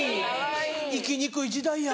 生きにくい時代や。